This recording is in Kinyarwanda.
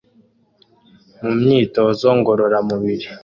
Mu myitozo ngororamubiri